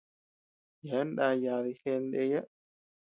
Yebeanu naa yaadi jeʼe ndeyaa.